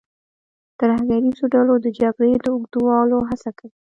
ترهګریزو ډلو د جګړې د اوږدولو هڅه کوي.